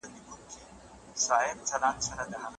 درې څلور ځله یې لیري کړ له کلي